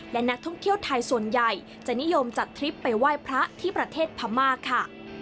และนักท่องเที่ยวไทยส่วนใหญ่จะนิยมจัดทริปไปไหว้พระที่ประเทศพม่าค่ะ